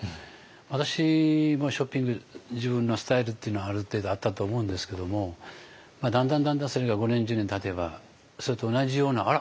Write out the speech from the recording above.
私もショッピング自分のスタイルっていうのはある程度あったと思うんですけどもだんだんだんだんそれが５年１０年たてばそれと同じようなあら？